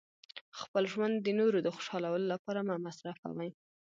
خپل ژوند د نورو د خوشحالولو لپاره مه مصرفوئ.